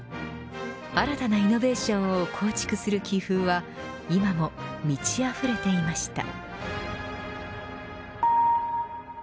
新たなイノベーションを構築する気風は今も満ちあふれていました。